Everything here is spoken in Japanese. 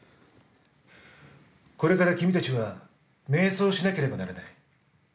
これから君たちは瞑想しなければならない。